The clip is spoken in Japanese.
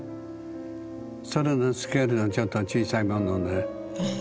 それのスケールのちょっと小さい版のね。